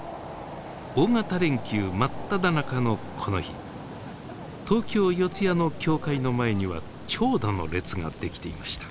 大型連休真っただ中のこの日東京・四谷の教会の前には長蛇の列ができていました。